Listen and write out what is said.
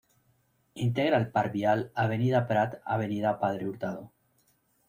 Integra el par vial Avenida Prat-Avenida Padre Hurtado.